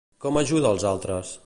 Com ajuda als altres?